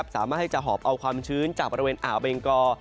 สามารถที่จะหอบเอาความชื้นจากบริเวณอ่าวเบงกอ